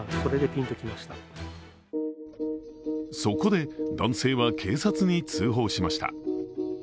そこで男性は警察に通報しました。